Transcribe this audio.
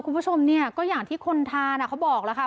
คุณผู้ชมเนี่ยก็อย่างที่คนทานเขาบอกแล้วค่ะ